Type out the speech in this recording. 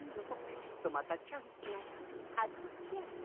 きっとまたチャンスがくるはずじゃ。